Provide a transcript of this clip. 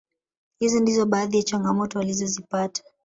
Hizo ndizo baadhi ya changamoto walizozipata